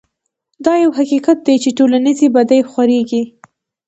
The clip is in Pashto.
دا يو حقيقت دی چې ټولنيزې بدۍ خورېږي.